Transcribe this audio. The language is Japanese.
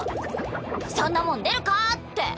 そんなもん出るかって！